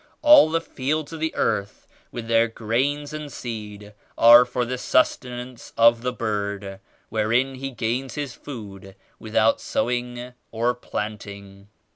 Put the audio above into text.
All the fields of the earth with their grains and seeds are for the sustenance of the bird, wherein he gains his food without sow ing or planting.